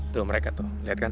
tuh mereka tuh lihat kan